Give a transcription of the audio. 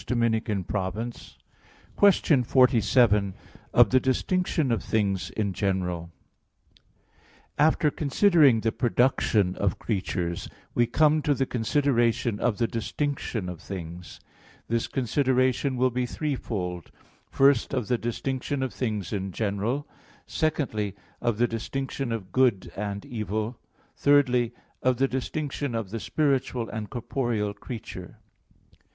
_______________________ QUESTION 47 OF THE DISTINCTION OF THINGS IN GENERAL (In Three Articles) After considering the production of creatures, we come to the consideration of the distinction of things. This consideration will be threefold first, of the distinction of things in general; secondly, of the distinction of good and evil; thirdly, of the distinction of the spiritual and corporeal creature.